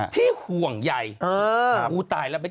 พี่ห่วงใย